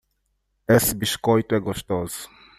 Este biscoito é gostoso.